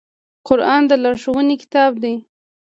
قرآن د لارښوونې کتاب دی